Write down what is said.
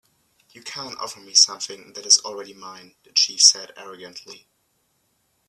"You can't offer me something that is already mine," the chief said, arrogantly.